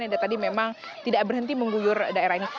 yang tadi memang tidak berhenti mengguyur daerah ini